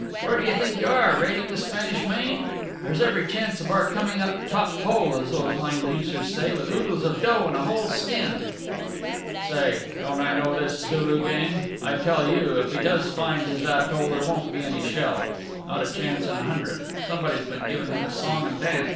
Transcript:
Where do you think you are raiding the Spanish Main? There's every chance of our coming out top hole, as those lime juicers say, with oodles of dough and a whole skin." "Say, don't I know this Sulu game? I tell you, if he does find his atoll there won't be any shell. Not a chance in a hundred! Somebody's been giving him a song and dance.